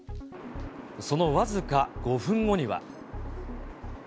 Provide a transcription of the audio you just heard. その僅か５分後には。